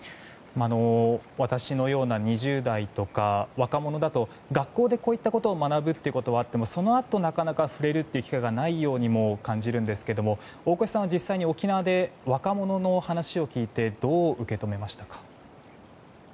私のような２０代とか若者だと学校でこういったことを学ぶことはあってもそのあと、なかなか触れる機会がないように感じるんですけれども大越さんは実際に沖縄で若者の話を聞いてどう受け止めましたか？